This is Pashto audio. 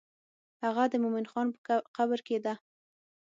هغه د مومن خان په قبر کې ده.